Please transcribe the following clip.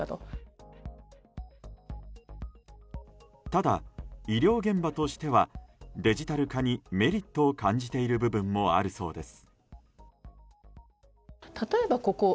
ただ、医療現場としてはデジタル化にメリットを感じている部分もあるそうです。